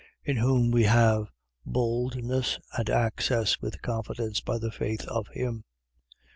In whom we have boldness and access with confidence by the faith of him.